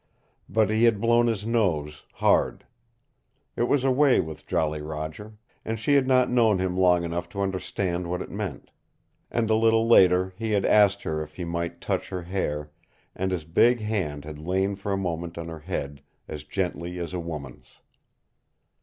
But he had blown his nose hard. It was a way with Jolly Roger, and she had not known him long enough to understand what it meant. And a little later he had asked her if he might touch her hair and his big hand had lain for a moment on her head, as gently as a woman's.